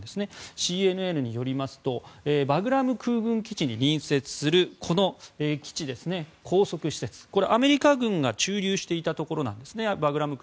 ＣＮＮによりますとバグラム空軍基地に隣接するこの基地ですね、拘束施設アメリカ軍が駐留していたところなんですね。